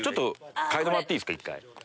嗅いでもらっていいですか。